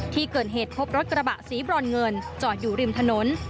ที่เกิดเหตุพบรถกระบะสีบรอนเงินจอดอยู่ริมถนน